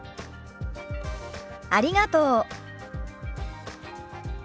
ありがとう。